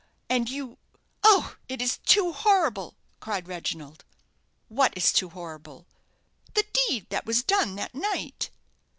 "And you ! oh, it is too horrible," cried Reginald. "What is too horrible?" "The deed that was done that night."